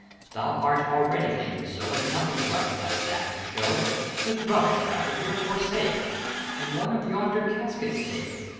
Thou art already laden so, And nothing right thy sack can show. This rubbish, rather, here forsake, And one of yonder caskets take